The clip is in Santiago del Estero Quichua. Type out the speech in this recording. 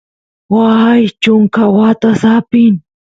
waay chunka watas apin